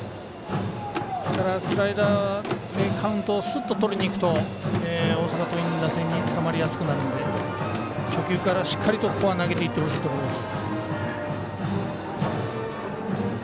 スライダーでカウントをスッととりにいくと大阪桐蔭の打線につかまりやすくなるので初球からしっかりと投げていってほしいところです。